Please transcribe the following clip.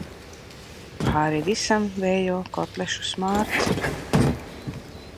Pāri visam vējo kotlešu smārds.